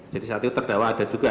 jadi saat itu terdawa ada juga